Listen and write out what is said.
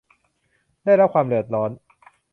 ได้รับความเดือดร้อน